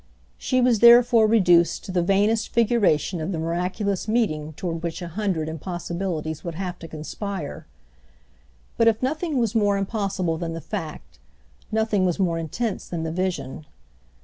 She was therefore reduced to the vainest figuration of the miraculous meeting toward which a hundred impossibilities would have to conspire. But if nothing was more impossible than the fact, nothing was more intense than the vision.